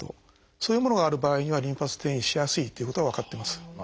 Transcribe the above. そういうものがある場合にはリンパ節転移しやすいということが分かってます。